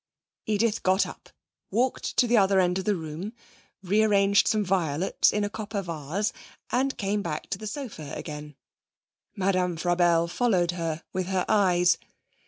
Edith got up, walked to the other end of the room, rearranged some violets in a copper vase and came back to the sofa again. Madame Frabelle followed her with her eyes.